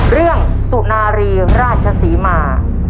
เรื่องสุนารีราชศรีมา